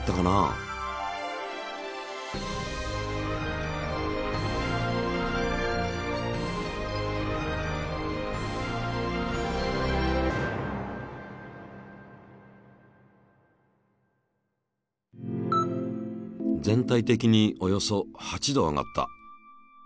全体的におよそ８℃上がった。